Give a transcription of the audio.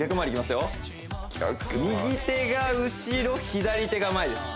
右手が後ろ左手が前です